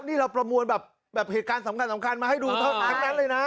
นี่เราประมวลแบบเหตุการณ์สำคัญมาให้ดูทั้งนั้นเลยนะ